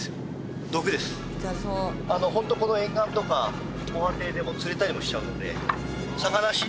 ホントこの沿岸とか防波堤でも釣れたりもしちゃうので。